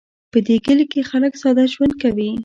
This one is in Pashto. په دې کلي کې خلک ساده ژوند کوي